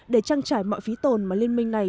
để trang trải mọi phí tồn mà liên minh này